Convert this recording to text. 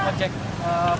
supir ojek panggilan